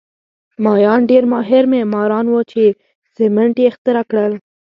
مایان ډېر ماهر معماران وو چې سیمنټ یې اختراع کړل